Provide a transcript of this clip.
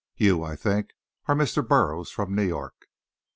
You, I think, are Mr. Burroughs, from New York."